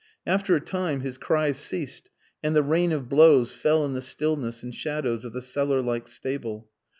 After a time his cries ceased, and the rain of blows fell in the stillness and shadows of the cellar like stable.